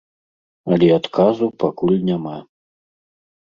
Але адказу пакуль няма.